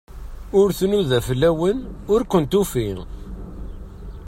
Ur tnuda fell-awen, ur ken-tufi.